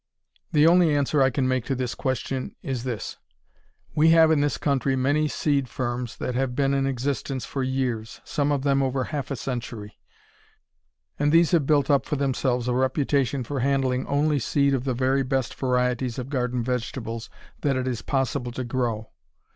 The only answer I can make to this question is this: We have in this country many seed firms that have been in existence for years some of them over half a century and these have built up for themselves a reputation for handling only seed of the very best varieties of garden vegetables that it is possible to grow.